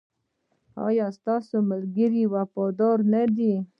ایا ستاسو ملګري وفادار نه دي؟